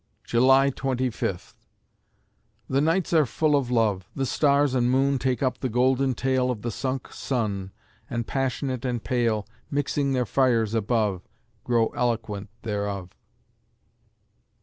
July Twenty Fifth The nights are full of love; The stars and moon take up the golden tale Of the sunk sun, and passionate and pale, Mixing their fires above, Grow eloquent thereof.